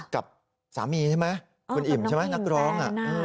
กับสามีใช่ไหมคุณอิ่มใช่ไหมนักร้อง